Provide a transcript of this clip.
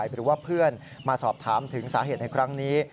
หรือว่าเพื่อนมาสอบถามถึงสาเหตุในครั้งนี้